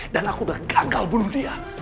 dan aku udah gagal bunuh dia